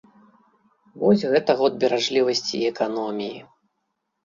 Вось гэта год беражлівасці і эканоміі!